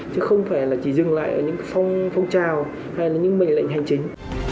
chứ không phải là chỉ dừng lại ở những phong trào hay là những mệnh lệnh hành chính